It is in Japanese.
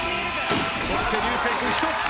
そして流星君１つ。